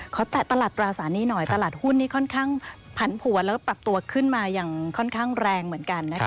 แตะตลาดตราสารนี้หน่อยตลาดหุ้นนี้ค่อนข้างผันผัวแล้วก็ปรับตัวขึ้นมาอย่างค่อนข้างแรงเหมือนกันนะคะ